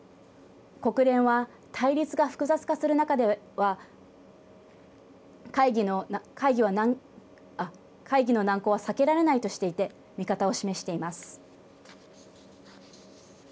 国連は、対立が複雑化する中では会議の難航は避けられないとしていて見方を示しています。